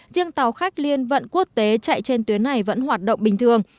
riêng tàu khách liên vận quốc tế chạy trên tuyến này vẫn hoạt động bình thường